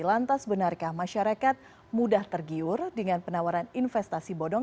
lantas benarkah masyarakat mudah tergiur dengan penawaran investasi bodong